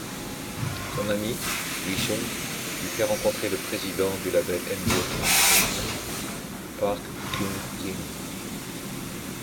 Son ami, Wheesung lui fait rencontré le président du label M-Boat Entertainment, Park Kyung-jin.